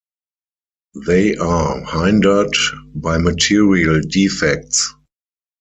They are hindered by material defects.